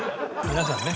皆さんね